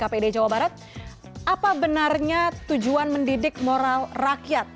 apa benarnya tujuan mendidik moral rakyat